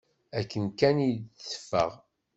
Akken kan i d-teffeɣ.